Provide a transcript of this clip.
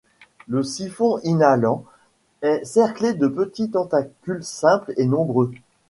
Le siphon inhalant est cerclé de petits tentacules simples et nombreux.